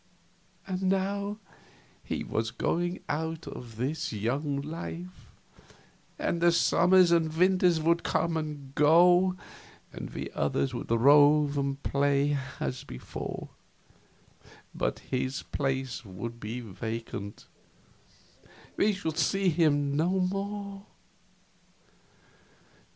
And now he was going out of this young life, and the summers and winters would come and go, and we others would rove and play as before, but his place would be vacant; we should see him no more.